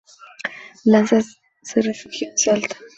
Lanza se refugió en Salta.